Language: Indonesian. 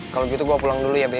kalau begitu gue pulang dulu ya be